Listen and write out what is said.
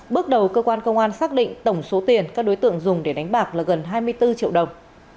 bước đầu cơ quan công an xác định tổng số tiền các đối tượng dùng để đánh bạc là gần hai mươi bốn triệu đồng